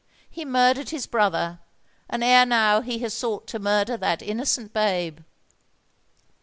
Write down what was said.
He murdered his brother; and ere now he has sought to murder that innocent babe!"